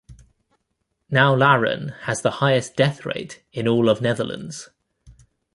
Now Laren has the highest Death Rate in all of Netherlands.